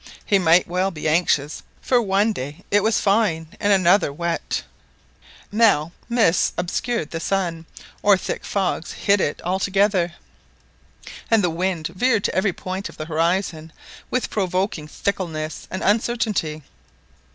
He might well be anxious; for one day it was fine and another wet, now mists obscured the sun, or thick fogs hid it all together; and the wind veered to every point of the horizon with provoking fickleness and uncertainty.